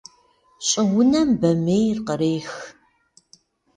Щӏыунэм бамейр кърех.